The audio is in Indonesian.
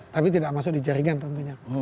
tapi tidak masuk di jaringan tentunya